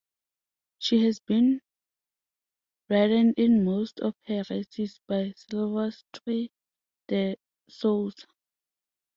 She has been ridden in most of her races by Silvestre de Sousa.